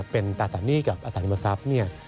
เป็นตราสารหนี้กับอัตรศัพท์